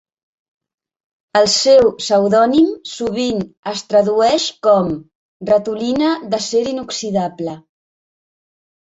El seu pseudònim sovint es tradueix com "Ratolina d'acer inoxidable".